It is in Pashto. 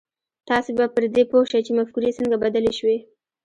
تاسې به پر دې پوه شئ چې مفکورې څنګه بدلې شوې.